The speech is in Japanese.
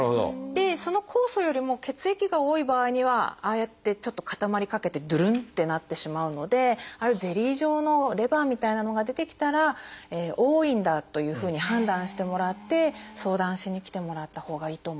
その酵素よりも血液が多い場合にはああやってちょっと固まりかけてドゥルンってなってしまうのでああいうゼリー状のレバーみたいなのが出てきたら多いんだというふうに判断してもらって相談しに来てもらったほうがいいと思います。